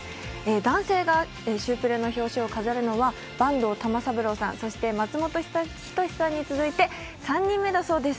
男性が「週プレ」の表紙を飾るのは坂東玉三郎さん、そして松本人志さんに続いて３人目だそうです。